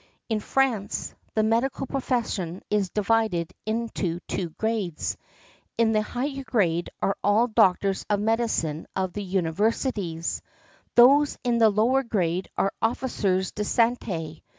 In France, the medical profession is divided into two grades; in the higher grade are all doctors of medicine of the universities; those in the lower grade are officiers de santé.